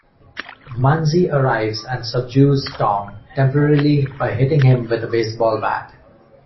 Manzi arrives and subdues Tom temporarily by hitting him with a baseball bat.